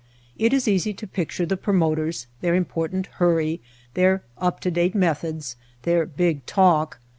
It is easy to picture the promoters, their important hurry, their ''up to date methods," their big talk.